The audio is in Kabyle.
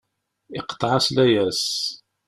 Iqḍeɛ-as layas.